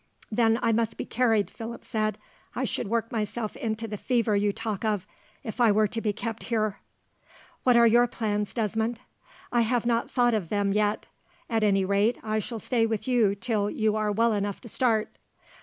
"Then I must be carried," Philip said. "I should work myself into the fever you talk of, if I were to be kept here. "What are your plans, Desmond?" "I have not thought of them, yet. At any rate, I shall stay with you till you are well enough to start."